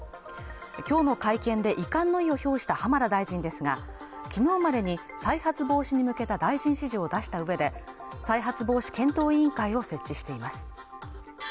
今日の会見で遺憾の意を表した浜田大臣ですが昨日までに再発防止に向けた大臣指示を出した上で再発防止検討委員会を設置しています